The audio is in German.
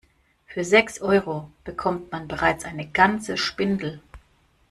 Für sechs Euro bekommt man bereits eine ganze Spindel.